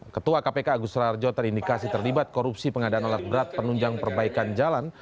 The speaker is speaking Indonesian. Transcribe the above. ketua kpk agus rarjo terindikasi terlibat korupsi pengadaan alat berat penunjang perbaikan jalan